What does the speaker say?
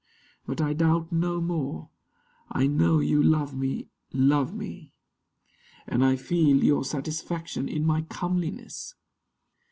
But I doubt no more, I know you love me, love me. And I feel Your satisfaction in my comeliness.